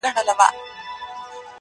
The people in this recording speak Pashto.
• زه خو ځکه لېونتوب په خوښۍ نمانځم,